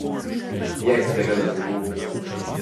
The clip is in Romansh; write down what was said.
Gliez era lavuruna.